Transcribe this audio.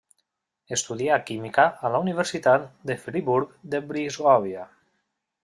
Estudià química a la Universitat de Friburg de Brisgòvia.